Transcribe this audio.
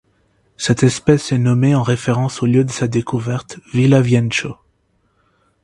Cette espèce est nommée en référence au lieu de sa découverte, Villavicencio.